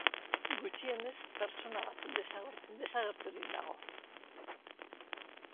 Gutxienez pertsona bat desagerturik dago.